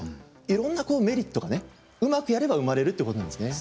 いろんなこうメリットがねうまくやれば生まれるっていうことなんですね。